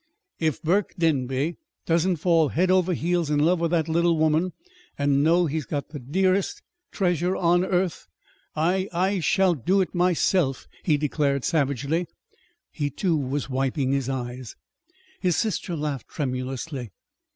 "If Burke Denby doesn't fall head over heels in love with that little woman and know he's got the dearest treasure on earth, I I shall do it myself," he declared savagely. He, too, was wiping his eyes. His sister laughed tremulously.